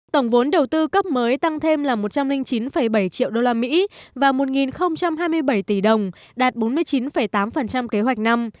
tổng vốn đầu tư cấp mới tăng thêm là một trăm linh chín bảy triệu usd và một hai mươi bảy tỷ đồng đạt bốn mươi chín tám kế hoạch năm